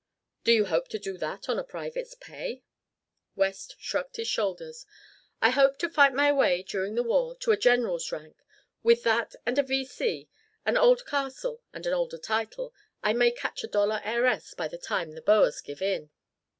"Do you hope to do that on a private's pay?" West shrugged his shoulders. "I hope to fight my way during the war to a general's rank. With that and a V.C., an old castle and an older title, I may catch a dollar heiress by the time the Boers give in."